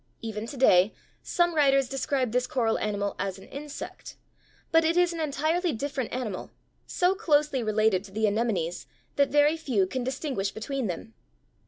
Even to day some writers describe this coral animal as an "insect," but it is an entirely different animal, being a polyp, so closely related to the anemones that very few can distinguish between them.